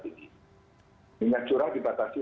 premium ini kan dilepas ke pasar